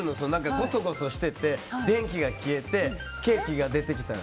ごそごそしてて、電気が消えてケーキが出てきたら。